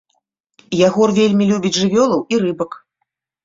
Ягор вельмі любіць жывёлаў і рыбак.